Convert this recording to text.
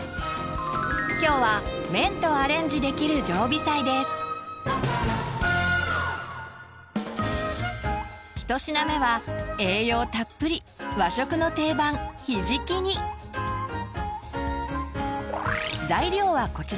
今日は１品目は栄養たっぷり和食の定番材料はこちら。